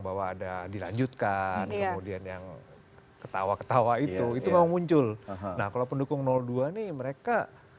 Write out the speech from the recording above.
bahwa ada dilanjutkan kemudian yang ketawa ketawa itu itu memang muncul nah kalau pendukung dua nih mereka